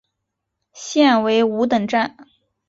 现为五等站。